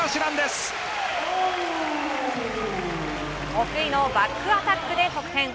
得意のバックアタックで得点。